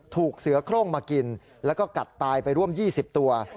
ถูกเสือโครงมากินแล้วก็กัดตายไปร่วม๒๐ตัว